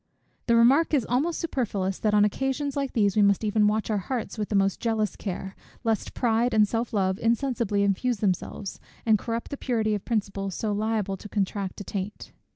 The remark is almost superfluous, that on occasions like these we must even watch our hearts with the most jealous care, lest pride and self love insensibly infuse themselves, and corrupt the purity of principles so liable to contract a taint.